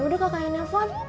yaudah kakaknya nelfon